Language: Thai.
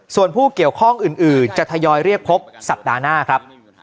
ส่วนผู้เกี่ยวข้องอื่นจะทยอยเรียกพบสัปดาห์หน้าครับ